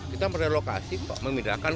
kita merelokasi memindahkan